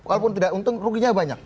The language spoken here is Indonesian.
walaupun tidak untung ruginya banyak